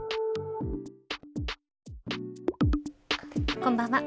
こんばんは。